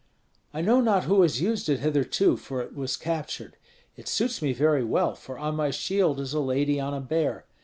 "I know not who has used it hitherto, for it was captured. It suits me very well, for on my shield is a lady on a bear.